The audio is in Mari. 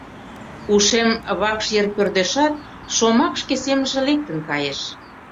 Ушем вакш йыр пӧрдешат, шомак шке семынже лектын кайыш.